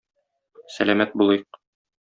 Сәламәт булыйк!